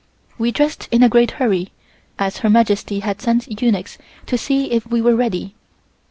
We dressed in a great hurry, as Her Majesty had sent eunuchs to see if we were ready.